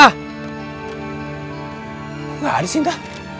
tidak ada sinta